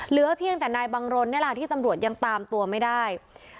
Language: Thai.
เหลือเพียงแต่นายบังรนนี่แหละที่ตำรวจยังตามตัวไม่ได้